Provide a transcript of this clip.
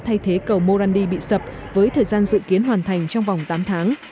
thay thế cầu morandi bị sập với thời gian dự kiến hoàn thành trong vòng tám tháng